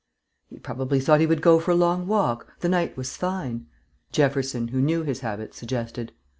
"He probably thought he would go for a long walk; the night was fine," Jefferson, who knew his habits, suggested.